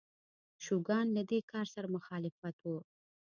شوګان له دې کار سره مخالف و.